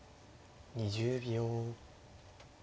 ２０秒。